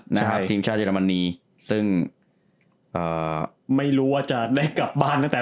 นะครับทีมชาติเยอรมนีซึ่งอ่าไม่รู้ว่าจะได้กลับบ้านตั้งแต่